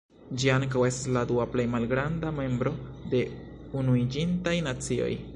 Ĝi ankaŭ estas la dua plej malgranda membro de Unuiĝintaj Nacioj.